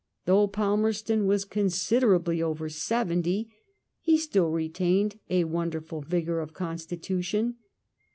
Though Pal merston was considerably over seventy, he still retained a wonderful vigour of constitution.